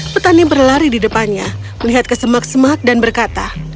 petani berlari di depannya melihat kesemak semak dan berkata